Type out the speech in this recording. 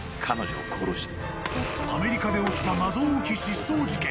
アメリカで起きた謎多き失踪事件。